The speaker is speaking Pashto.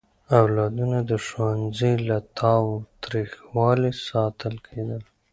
اولادونه د ښوونځي له تاوتریخوالي ساتل کېدل.